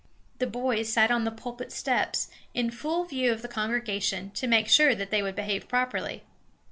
The boys sat on the pulpit steps, in full view of the congregation, to make sure they would behave properly.